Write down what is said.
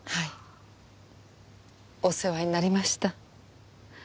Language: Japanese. お世話になりました。